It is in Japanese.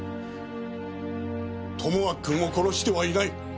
友章君を殺してはいない！